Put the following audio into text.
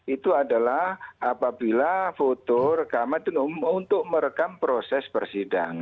itu adalah apabila foto rekaman itu untuk merekam proses